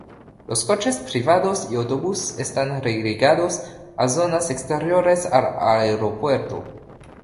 Los coches privados y autobuses están relegados a zonas exteriores al aeropuerto.